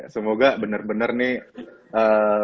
semoga benar benar nih